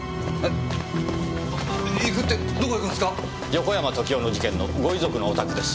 横山時雄の事件のご遺族のお宅です。